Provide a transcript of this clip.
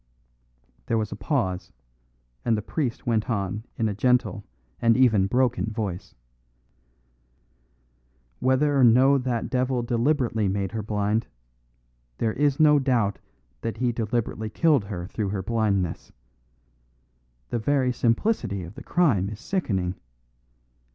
There was a pause, and the priest went on in a gentle and even broken voice. "Whether or no that devil deliberately made her blind, there is no doubt that he deliberately killed her through her blindness. The very simplicity of the crime is sickening.